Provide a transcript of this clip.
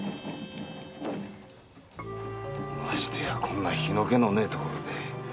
ましてやこんな火の気のねえ所で。